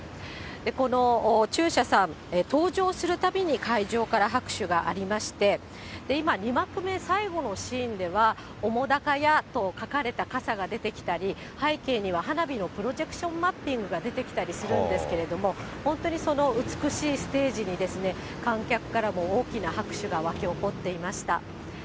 この中車さん、登場するたびに会場から拍手がありまして、今、２幕目最後のシーンでは、澤瀉屋と書かれた傘が出てきたり、背景には花火のプロジェクションマッピングが出てきたりするんですけれども、本当にその美しいステージに、観客からも大きな拍手が沸き起こっていました。